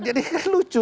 jadi kan lucu